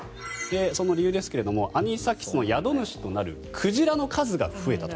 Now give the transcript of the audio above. その理由ですがアニサキスの宿主となる鯨の数が増えた。